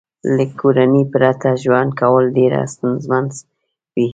له کورنۍ پرته ژوند کول ډېر ستونزمن وي